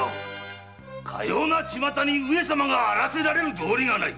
かような巷に上様があらせられる道理がない。